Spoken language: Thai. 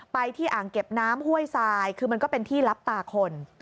ไปที่อ่างเก็บน้ำห้วยทรายคือมันก็เป็นที่รับตาคน